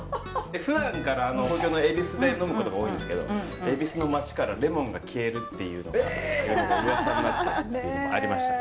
ふだんから東京の恵比寿で呑むことが多いんですけど恵比寿の街からレモンが消えるっていうのがうわさになったっていうのもありましたね。